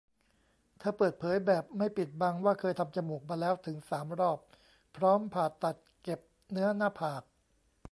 เธอเปิดเผยแบบไม่ปิดบังว่าเคยทำจมูกมาแล้วถึง สาม รอบ พร้อมผ่าตัดเก็บเนื้อหน้าผาก